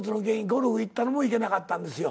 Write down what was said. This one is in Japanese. ゴルフ行ったのもいけなかったんですよ。